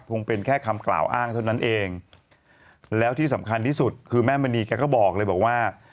คงเป็นแค่คำกล่าวอ้างเท่านั้นเองแล้วที่สำคัญที่สุดคือแม่มณีแกก็บอกเลยบอกว่า